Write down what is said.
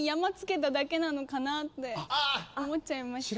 あっ思っちゃいました